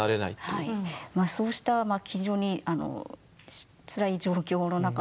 そうした非常につらい状況の中ですね